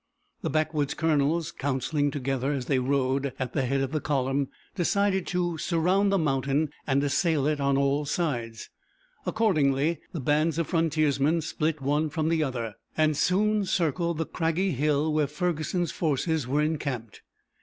The backwoods colonels, counseling together as they rode at the head of the column, decided to surround the mountain and assail it on all sides. Accordingly the bands of frontiersmen split one from the other, and soon circled the craggy hill where Ferguson's forces were encamped.